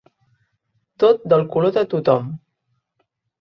Tot del color de tot-hom.